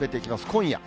今夜。